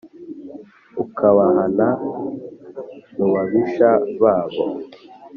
ukabahana mu babisha babo